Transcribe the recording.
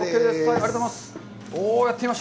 ありがとうございます。